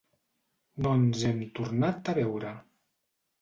No ens hem tornat a veure.